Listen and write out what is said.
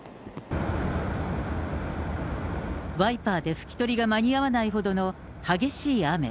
ワイパーで拭き取りが間に合わないほどの激しい雨。